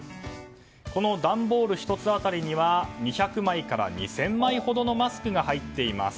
その段ボール１つ辺りには２００枚から２０００枚ほどのマスクが入っています。